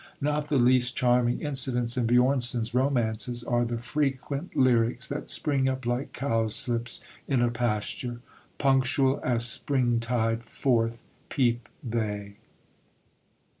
Not the least charming incidents in Björnson's romances are the frequent lyrics, that spring up like cowslips in a pasture. "Punctual as Springtide forth peep they."